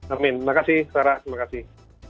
amin terima kasih sarah terima kasih